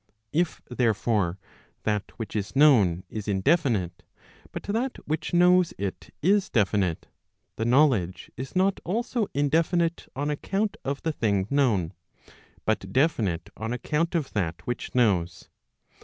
If, therefore,, that which is known is indefinite, but that which knows it is definite, the knowledge is not also indefinite on account of the thing known,, but definite on< account of that which knows.